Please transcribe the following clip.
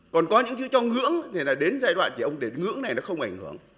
còn có những thứ cho ngưỡng thì là đến giai đoạn chỉ ông để ngưỡng này nó không ảnh hưởng